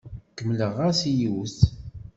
Kemmleɣ-as i yiwet.